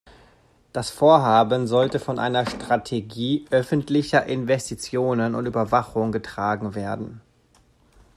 Das Vorhaben sollte von einer Strategie öffentlicher Investitionen und Überwachung getragen werden.